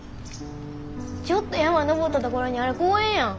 ちょっと山登った所にある公園やん。